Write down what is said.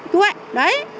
chú ạ đấy